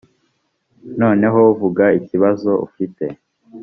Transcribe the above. noneho vuga ikibazo ufite